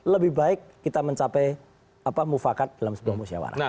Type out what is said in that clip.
lebih baik kita mencapai mufakat dalam sebuah musyawarah